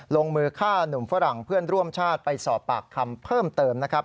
ลงมือฆ่าหนุ่มฝรั่งเพื่อนร่วมชาติไปสอบปากคำเพิ่มเติมนะครับ